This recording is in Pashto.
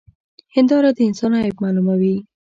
هنداره د انسان عيب معلوموي.